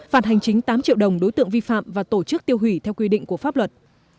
phạt hành chính tám triệu đồng đối tượng vi phạm và tổ chức tiêu hủy theo quy định của pháp luật